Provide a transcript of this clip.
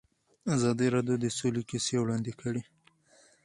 ازادي راډیو د سوله کیسې وړاندې کړي.